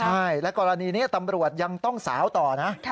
ใช่และกรณีนี้ตำรวจยังต้องสาวต่อนะ